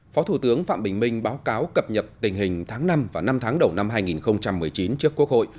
phó thủ tướng phạm bình minh báo cáo cập nhật tình hình tháng năm và năm tháng đầu năm hai nghìn một mươi chín trước quốc hội